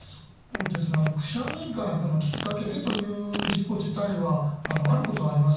くしゃみがきっかけでという事故自体は、あることはあります。